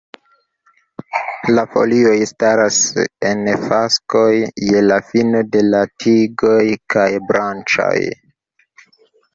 La folioj staras en faskoj je la fino de la tigoj kaj branĉoj.